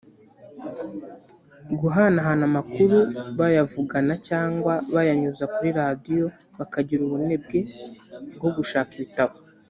guhanahana amakuru bayavugana cyangwa bayanyuza kuri Radio bakagira ubunebwe bwo gushaka ibitabo